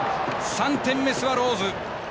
３点目、スワローズ。